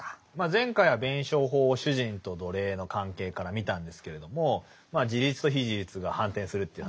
前回は弁証法を主人と奴隷の関係から見たんですけれども自立と非自立が反転するという話でしたよね。